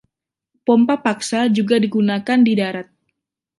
Pompa paksa juga digunakan di darat.